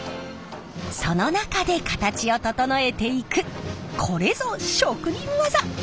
その中で形を整えていくこれぞ職人技！